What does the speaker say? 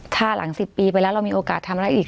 ถ้าหลัง๑๐ปีไปแล้วเรามีโอกาสทำอะไรอีก